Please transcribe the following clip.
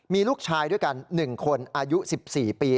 มีลูกชายด้วยกัน๑คนอายุ๑๔ปี